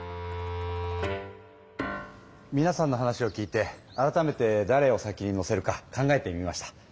みなさんの話を聞いて改めてだれを先に乗せるか考えてみました。